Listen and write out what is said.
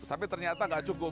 tapi ternyata nggak cukup